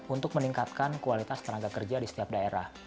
untuk meningkatkan kualitas tenaga kerja di setiap daerah